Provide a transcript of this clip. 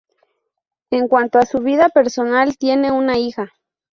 En cuanto a su vida personal, tiene una hija.